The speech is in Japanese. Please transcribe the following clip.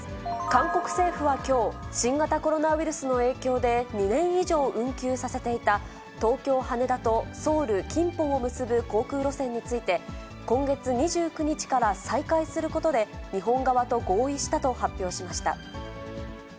韓国政府はきょう、新型コロナウイルスの影響で、２年以上運休させていた、東京・羽田とソウル・キンポを結ぶ航空路線について、今月２９日から再開することで、日本側と合意したと発表しました。